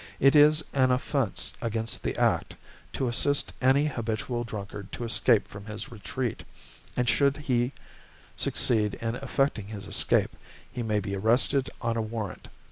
It is an offence against the Act to assist any habitual drunkard to escape from his retreat, and should he succeed in effecting his escape he may be arrested on a warrant.